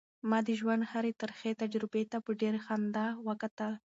ما د ژوند هرې ترخې تجربې ته په ډېرې خندا وکتل.